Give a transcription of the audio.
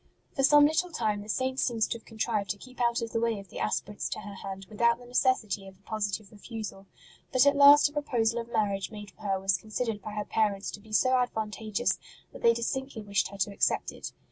For some little time the Saint seems to have contrived to keep out of the way of the aspirants to her hand without 68 ST. ROSE OF LIMA the necessity of a positive refusal ; but at last a proposal of marriage made for her was con sidered by her parents to be so advantageous that they distinctly wished her to accept it.